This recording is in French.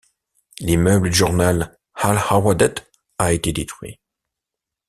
L'immeuble du journal Al Hawadeth a été détruit.